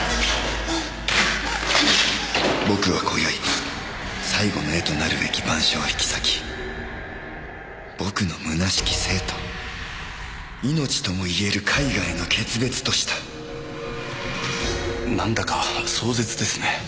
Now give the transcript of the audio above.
「僕は今宵最後の絵となるべき『晩鐘』を引き裂き僕の虚しき生と命ともいえる絵画への決別とした」なんだか壮絶ですね。